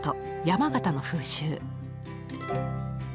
山形の風習。